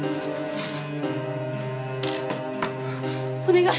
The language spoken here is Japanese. お願い！